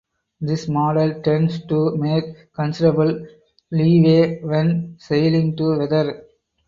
This model tends to make considerable leeway when sailing to weather.